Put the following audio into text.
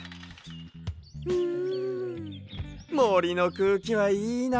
うんもりのくうきはいいな。